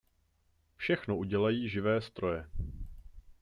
Všechno udělají živé stroje.